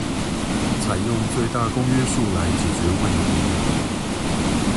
採用最大公約數來解決問題